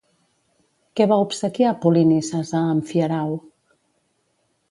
Què va obsequiar Polinices a Amfiarau?